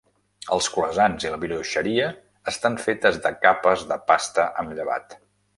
Els croissants i la brioixeria estan fetes de capes de pasta amb llevat.